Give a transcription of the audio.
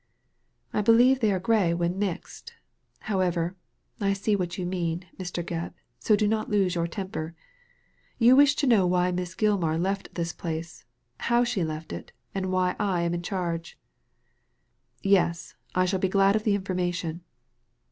" I believe they are grey when mixed. However, I see what you mean, Mr. Gebb, so do not lose your temper. You wish to know why Miss Gilmar left this place, how she left it, and why I am in charge." ''Yes, I shall be glad of the information."